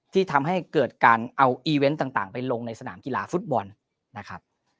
ที่ทำให้เกิดการเอาอีเวนต์ต่างไปลงในสนามกีฬาฟุตบอลนะครับ